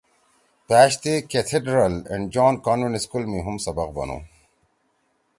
پأش تی کھیتیڈرَل اینڈ جان کانوینٹ اسکول می ہُم سبق بنُو